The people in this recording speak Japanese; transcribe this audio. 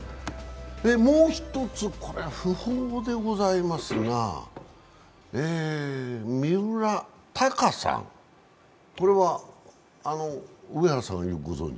もう一つ、これは訃報でございますが、三浦貴さん、これは上原さん、よくご存じ？